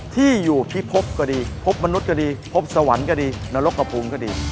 ที่อยู่ที่พบก็ดีพบมนุษย์ก็ดีพบสวรรค์ก็ดีนรกกระภูมิก็ดี